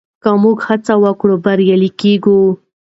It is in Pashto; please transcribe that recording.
که موږ هڅه وکړو بریالي کېږو.